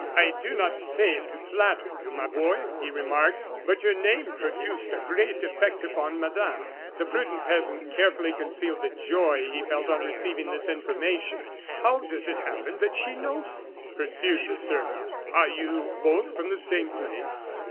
"I do not say it to flatter you, my boy," he remarked, "but your name produced a great effect upon madame." The prudent peasant carefully concealed the joy he felt on receiving this information. "How does it happen that she knows you?" pursued the servant. "Are you both from the same place?"